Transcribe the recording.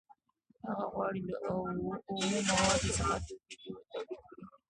هغه غواړي له اومو موادو څخه توکي تولید کړي